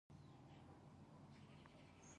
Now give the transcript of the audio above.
پر خپل امبرسایکل باندې کورته ورسېد.